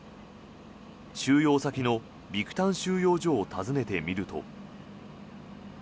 収容先のビクタン収容所を訪ねてみると。